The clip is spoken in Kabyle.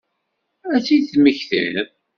Ad tt-id-temmektiḍ?